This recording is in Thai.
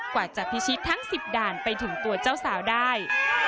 กว่าจะพิชิตทั้ง๑๐ด่านไปถึงตัวเจ้าสาวได้